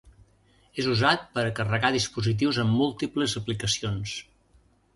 És usat per a carregar dispositius en múltiples aplicacions.